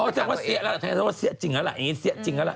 โอ้ถ้าว่าเสี้ยจริงล่ะต้องเองเสี้ยจริง